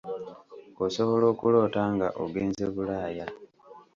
Osobola okuloota nga ogenze Bulaaya.